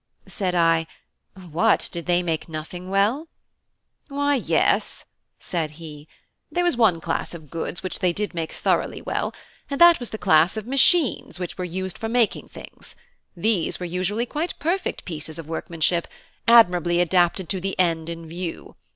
Said I: "What! did they make nothing well?" "Why, yes," said he, "there was one class of goods which they did make thoroughly well, and that was the class of machines which were used for making things. These were usually quite perfect pieces of workmanship, admirably adapted to the end in view.